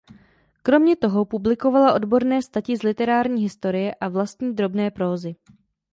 Kromě toho publikovala odborné stati z literární historie a vlastní drobné prózy.